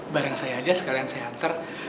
bareng saya aja sekalian saya hantar